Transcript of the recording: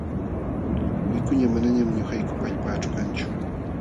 Wikuña manañam ñuqaykupa allpaaćhu kanchu.